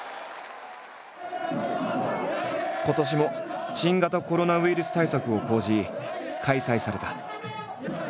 今年も新型コロナウイルス対策を講じ開催された。